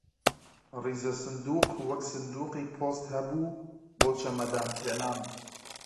ڕیزە سندووق وەک سندووقی پۆست هەبوو بۆ چەمەدان تێنان